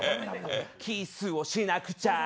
キッスをしなくちゃ。